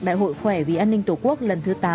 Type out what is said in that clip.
đại hội khỏe vì an ninh tổ quốc lần thứ tám